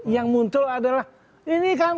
yang muncul adalah ini kan